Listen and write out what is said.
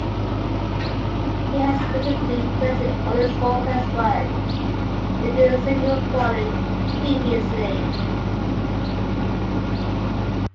He has recently collected all his small press work into a single volume, "Previously".